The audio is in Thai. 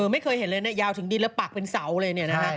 ไม่เคยเห็นเลยนะยาวถึงดินแล้วปักเป็นเสาเลยเนี่ยนะฮะ